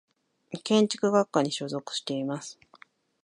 建築学科に所属しています。